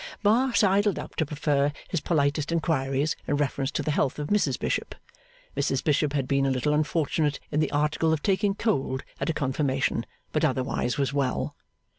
Bar sidled up to prefer his politest inquiries in reference to the health of Mrs Bishop. Mrs Bishop had been a little unfortunate in the article of taking cold at a Confirmation, but otherwise was well.